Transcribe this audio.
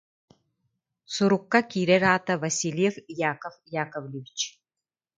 Сурукка киирэр аата Васильев Яков Яковлевич